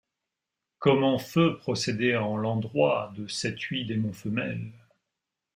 Comment feut procédé en l’endroict de cettuy démon femelle.